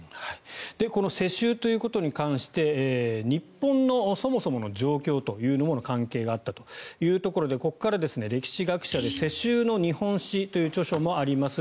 この世襲ということに関して日本のそもそもの状況というものが関係があったということでここから、歴史学者で「世襲の日本史」という著書もあります